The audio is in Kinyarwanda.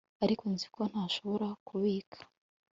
ariko nzi ko ntashobora kubika